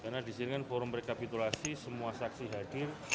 karena di sini kan forum rekapitulasi semua saksi hadir